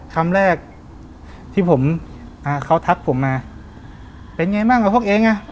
คำแรกที่เขาทักผมมาเป็นยังไงบ้างกับพวกเอง